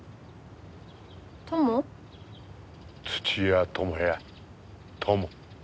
土屋友也友。